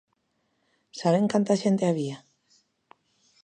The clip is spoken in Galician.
¿Saben canta xente había?